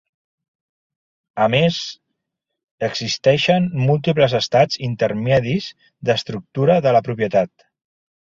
A més, existeixen múltiples estats intermedis d'estructura de la propietat.